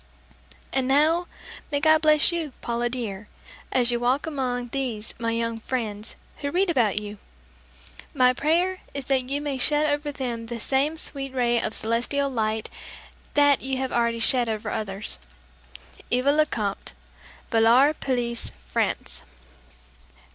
And now, may God bless you, Paula dear, as you walk among these my young friends who read about you! My prayer is that you may shed over them the same sweet ray of celestial light that you have already shed over others. EVA LECOMTE. Villar Pellice, France.